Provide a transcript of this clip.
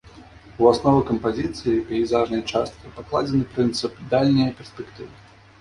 У аснову кампазіцыі пейзажнай часткі пакладзены прынцып дальняе перспектывы.